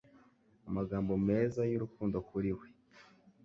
Amagambo meza y'urukundo kuri We